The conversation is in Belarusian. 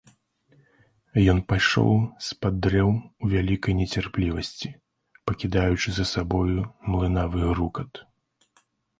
Ён пайшоў з-пад дрэў у вялікай нецярплівасці, пакідаючы за сабою млынавы грукат.